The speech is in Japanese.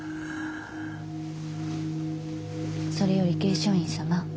それより桂昌院様。